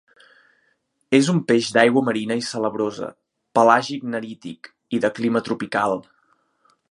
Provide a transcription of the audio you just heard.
És un peix d'aigua marina i salabrosa, pelàgic-nerític i de clima tropical.